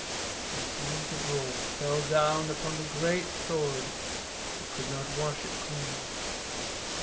And the tears of Rold fell down upon the proud sword but could not wash it clean.